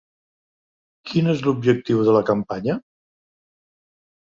Quin és l'objectiu de la campanya?